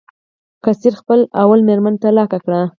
قیصر خپله لومړۍ مېرمن طلاق کړه.